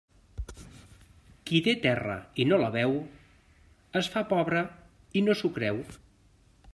Qui té terra i no la veu, es fa pobre i no s'ho creu.